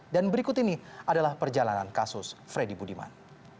dan berikut ini adalah perjalanan kasus freddy budiman